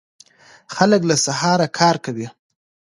خلک له سهاره کار کوي.